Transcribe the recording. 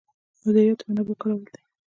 مدیریت د منابعو کارول دي